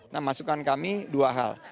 nah masukan kami dua hal